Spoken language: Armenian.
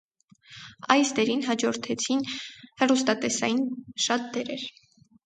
Այս դերին հաջորդեին հեռուստատեսային շատ դերեր։